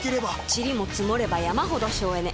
チリも積もれば山ほど省エネ。